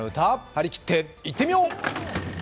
はりきっていってみよう！